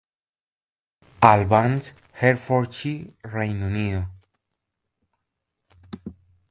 Albans, Hertfordshire, Reino Unido.